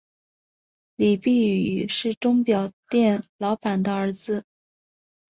李弼雨是钟表店老板的儿子。